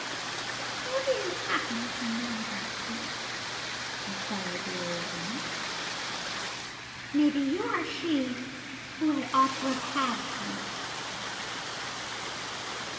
"How do you happen to know about him?" inquired the old woman; "maybe you are she who ought to have had him."